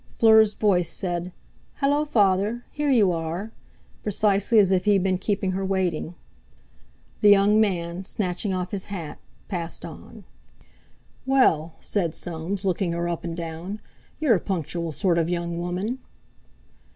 Fleur's voice said: "Hallo, Father! Here you are!" precisely as if he had been keeping her waiting. The young man, snatching off his hat, passed on. "Well," said Soames, looking her up and down, "you're a punctual sort of young woman!"